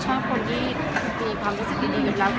ชอบคนที่มีความสนุกที่กุ้ง